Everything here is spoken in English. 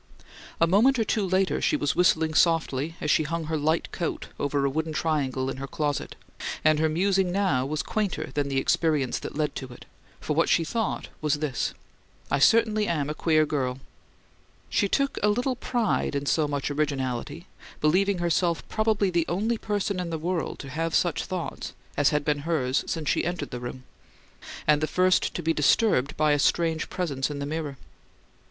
A moment or two later she was whistling softly as she hung her light coat over a wooden triangle in her closet, and her musing now was quainter than the experience that led to it; for what she thought was this, "I certainly am a queer girl!" She took a little pride in so much originality, believing herself probably the only person in the world to have such thoughts as had been hers since she entered the room, and the first to be disturbed by a strange presence in the mirror.